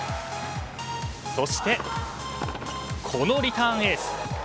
そして、このリターンエース。